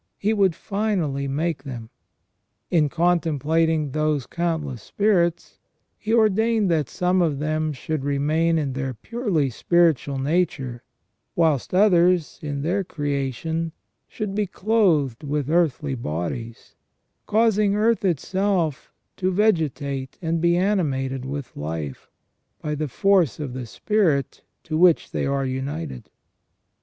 He would finally make them. In contemplating those countless spirits, He ordained that some of them should remain in their purely spiritual nature, whilst others, in their creation, should be clothed with earthly bodies, causing earth itself to vegetate and be animated with life, by the force of the spirit to which they are united.